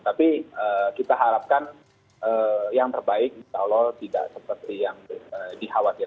tapi kita harapkan yang terbaik insya allah tidak seperti yang dikhawatirkan